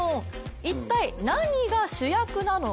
一体、何が主役なのか